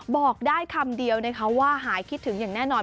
บอกได้คำเดียวนะคะว่าหายคิดถึงอย่างแน่นอน